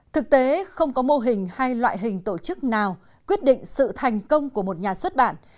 thực tế không có mô hình hay loại hình tổ chức nào quyết định sự thành công của một nhà xuất bản